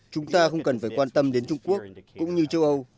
chúng ta không cần phải quan tâm đến trung quốc cũng như châu âu